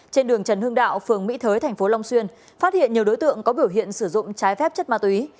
trên đường trần hưng đạo phường mỹ thới tp long xuyên phát hiện nhiều đối tượng có biểu hiện sử dụng trái phép chất ma túy